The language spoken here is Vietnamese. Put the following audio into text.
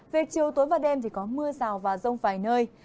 về chiều tối và đêm thì có mưa rào và rông vài nơi